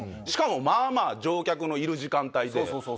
しかもまぁまぁ乗客のいる時間帯で。